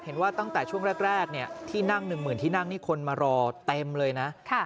เห็นว่าตั้งแต่ช่วงแรกที่นั่งหนึ่งหมื่นที่นั่งคนมารอเต็มเลยนะ